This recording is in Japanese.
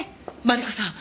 マリコさん。